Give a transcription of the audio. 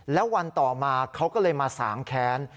แล้ววันต่อมาเขาก็เลยมาสางแค้น